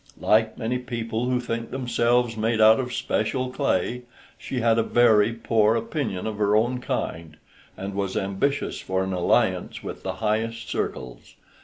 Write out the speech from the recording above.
Like many people who think themselves made out of special clay, she had a very poor opinion of her own kind, and was ambitious for an alliance with the highest circles.